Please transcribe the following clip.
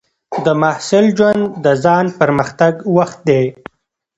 د محصل ژوند د ځان پرمختګ وخت دی.